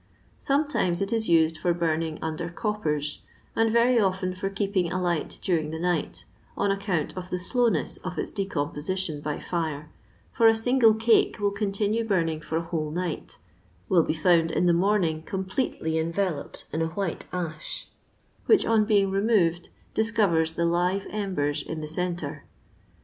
Sometimes it is used for burning under coppers ; and very often for keeping alight during the night, on account of the slowness of its decomposition by fire, for a single cake will continue burning for a whole night, will be found in the morning completely enveloped in a white ash, which, on being removed, discovers the live embers in the centre.